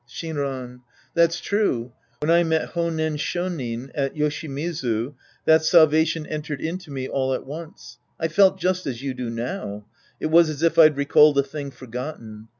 Shinran. That's true. When I met Honen Sho nin at Yoshimizu, that salvation entered into me all at once. I felt just as you do now. It was as if I'd recalled a thing forgotten.